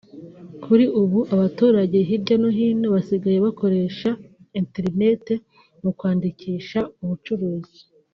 Kuri ubu abaturage hirya no hino basigaye bakoresha interineti mu kwandikisha ubucuruzi